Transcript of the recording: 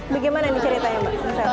bagaimana nih ceritanya mbak